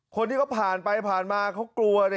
คนที่เขาผ่านไปผ่านมาเขากลัว